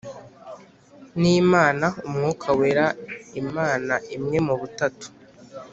n Imana Umwuka Wera Imana Imwe mu Butatu